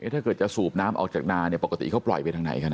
ถ้าเกิดจะสูบน้ำออกจากนาปกติเขาปล่อยไปทางไหนกันนะ